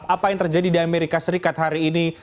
apa yang terjadi di amerika serikat hari ini